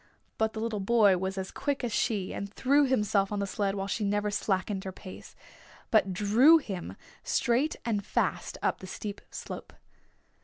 But the little boy was as quick as she and threw himself on the sled while she never slackened her pace, but drew him straight and fast up the steep slope.